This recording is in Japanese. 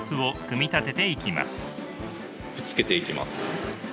くっつけていきます。